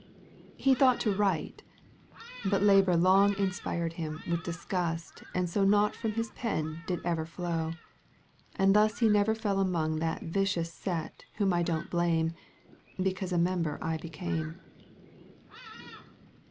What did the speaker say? He thought to write, but labour long Inspired him with disgust and so Nought from his pen did ever flow. And thus he never fell among That vicious set whom I don't blame — Because a member I became.